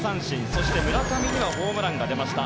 そして村上にはホームランが出ました。